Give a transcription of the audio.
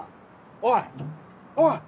「おい！おい！」